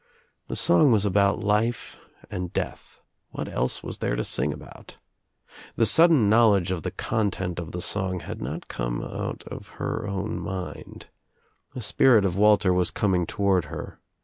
The song was about life and death. What elsej was there to sing about? The sudden knowledge of I the content of the song had not come out of her own ( mind. The spirit of Walter was coming toward her.